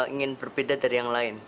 ingin berbeda dari yang lain